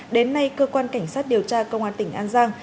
đến nay cơ quan cảnh sát điều tra công an tỉnh an giang